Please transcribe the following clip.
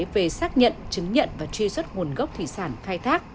về xác nhận chứng nhận và truy xuất nguồn gốc thủy sản khai thác